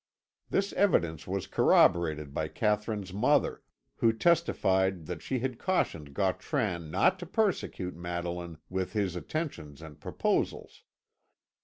This evidence was corroborated by Katherine's mother, who testified that she had cautioned Gautran not to persecute Madeline with his attentions and proposals.